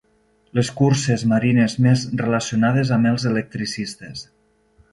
Les curses marines més relacionades amb els electricistes.